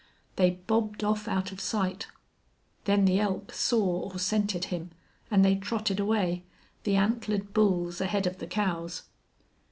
They bobbed off out of sight. Then the elk saw or scented him, and they trotted away, the antlered bulls ahead of the cows.